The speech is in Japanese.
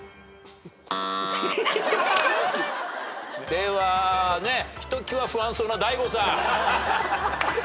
ではねひときわ不安そうなＤＡＩＧＯさん。